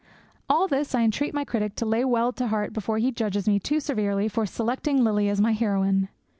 All this I entreat my critic to lay well to heart before he judges me too severely for selecting Lily as my heroine.